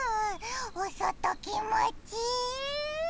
おそときもちいい。